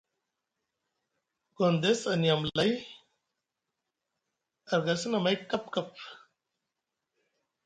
Gondes a niya amlay a rga sini amay kapkap.